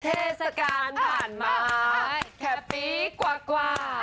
เทศกาลผ่านมาแค่ปีกว่า